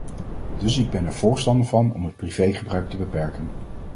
Dus ik ben er voorstander van om het privé-gebruik te beperken.